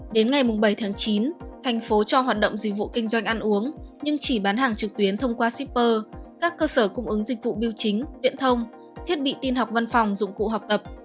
đến ngày bảy tháng chín thành phố cho hoạt động dịch vụ kinh doanh ăn uống nhưng chỉ bán hàng trực tuyến thông qua shipper các cơ sở cung ứng dịch vụ biêu chính viện thông thiết bị tin học văn phòng dụng cụ học tập